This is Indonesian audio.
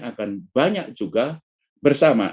akan banyak juga bersama